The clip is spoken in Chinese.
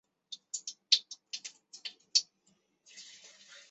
博嘎里缅甸克伦邦帕安县的一个镇。